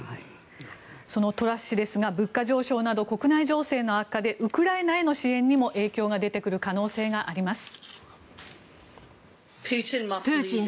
そのトラス氏ですが物価上昇など国内情勢の悪化でウクライナへの支援にも影響が出てくる可能性があります。